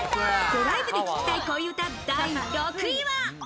ドライブで聞きたい恋うた第６位は。